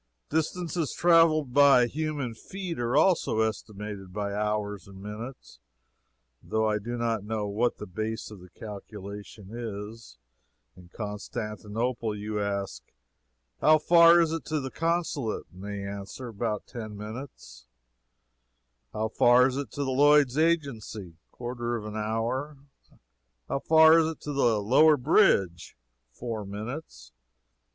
Distances traveled by human feet are also estimated by hours and minutes, though I do not know what the base of the calculation is. In Constantinople you ask, "How far is it to the Consulate?" and they answer, "About ten minutes." "How far is it to the Lloyds' Agency?" "Quarter of an hour." "How far is it to the lower bridge?" "Four minutes."